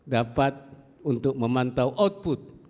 dapat untuk memantau output